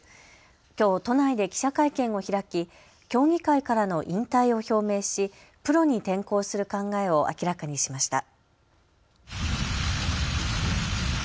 きょう都内で記者会見を開き競技会からの引退を表明しプロに転向する考えを明らかにしました。